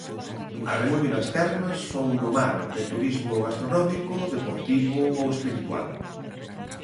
A remollo nas termas, ou no mar, de turismo gastronómico, deportivo ou espiritual.